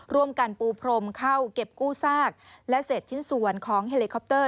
ร่วมกันปูพรมเข้าเก็บกู้ซากและเศษชิ้นส่วนของเฮลิคอปเตอร์